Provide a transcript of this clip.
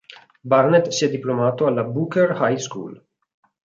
Barnett si è diplomato alla Booker High School.